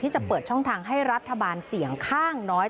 จะเปิดช่องทางให้รัฐบาลเสียงข้างน้อย